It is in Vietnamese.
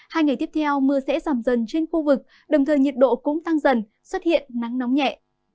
hai ngày tiếp theo mưa sẽ giảm dần trên khu vực đồng thời nhiệt độ cũng tăng dần xuất hiện nắng nóng nhẹ